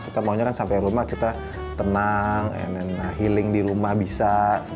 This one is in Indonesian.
kita maunya kan sampai rumah kita tenang healing di rumah bisa